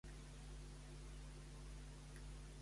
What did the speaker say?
Per què creu que Junts vol que tingui lloc al més aviat possible?